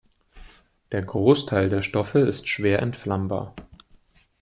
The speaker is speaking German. Der Großteil der Stoffe ist schwer entflammbar.